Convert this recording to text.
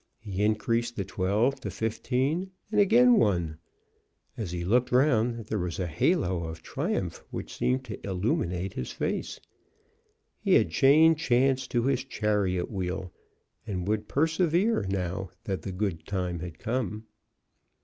He increased the twelve to fifteen, and again won. As he looked round there was a halo of triumph which seemed to illuminate his face. He had chained Chance to his chariot wheel and would persevere now that the good time had come.